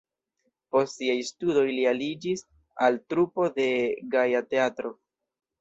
Post siaj studoj li aliĝis al trupo de Gaja Teatro.